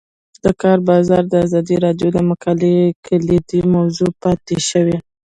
د کار بازار د ازادي راډیو د مقالو کلیدي موضوع پاتې شوی.